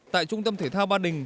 tại trung tâm thể thao ba đình